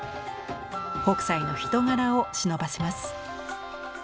北斎の人柄をしのばせます。